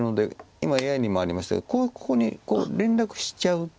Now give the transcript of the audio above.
今ＡＩにもありましたけどここに連絡しちゃうと。